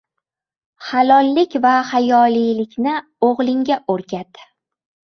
– halollik va hayolilikka o'g'lingga o'rgat;